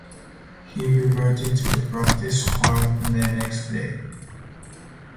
He reverted to the practice squad the next day.